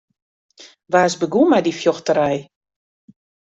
Wa is begûn mei dy fjochterij?